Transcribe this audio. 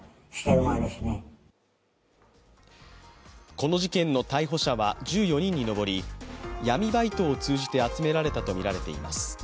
この事件の逮捕者は１４人に上り闇バイトを通じて、集められたとみられています。